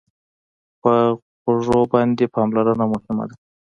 په غوږو باندې پاملرنه مهمه ده.